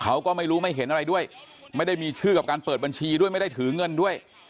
เขาก็ไม่รู้ไม่เห็นอะไรด้วยไม่ได้มีชื่อกับการเปิดบัญชีด้วยไม่ได้ถือเงินด้วย